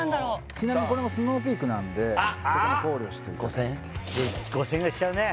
ちなみにこれもＳｎｏｗＰｅａｋなんでそこも考慮して５０００円５０００円ぐらいしちゃうね